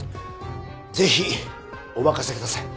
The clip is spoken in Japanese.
ぜひお任せください